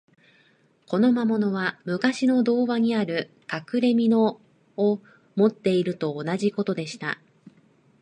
この魔物は、むかしの童話にある、かくれみのを持っているのと同じことでした。